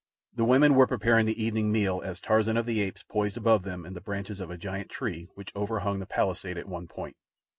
The women were preparing the evening meal as Tarzan of the Apes poised above them in the branches of a giant tree which overhung the palisade at one point.